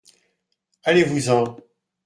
Allez-vous-en !